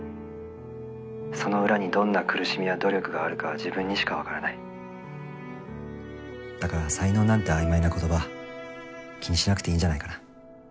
「その裏にどんな苦しみや努力があるかは自分にしかわからない」だから才能なんて曖昧な言葉気にしなくていいんじゃないかな。